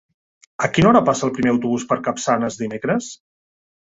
A quina hora passa el primer autobús per Capçanes dimecres?